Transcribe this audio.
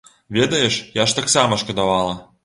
Ведаеш, я ж таксама шкадавала.